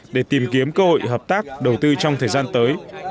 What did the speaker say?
để tìm kiếm cơ hội hợp tác đầu tư trong thời gian tới